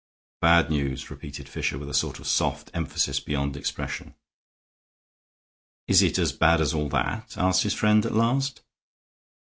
"Bad news!" repeated Fisher, with a sort of soft emphasis beyond expression. "Is it as bad as all that?" asked his friend, at last.